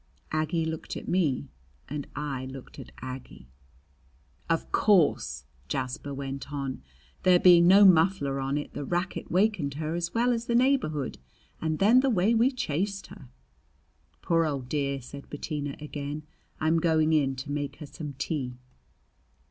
Aggie looked at me and I looked at Aggie. "Of course," Jasper went on, "there being no muffler on it, the racket wakened her as well as the neighborhood. And then the way we chased her!" "Poor old dear!" said Bettina again. "I'm going in to make her some tea."